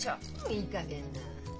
いいかげんな。